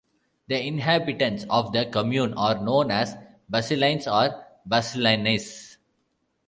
The inhabitants of the commune are known as "Basliens" or "Basliennes".